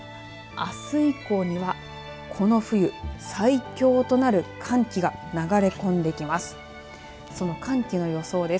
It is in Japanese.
あす以降にはこの冬最強となる寒気が流れ込んできます。